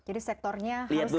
jadi sektornya harus halal dulu